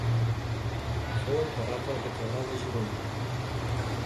Fou enterrat a la Catedral de Girona.